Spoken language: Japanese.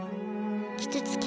きつつき